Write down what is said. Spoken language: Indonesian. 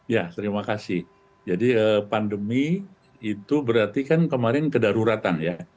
ya terima kasih jadi pandemi itu berarti kan kemarin kedaruratan ya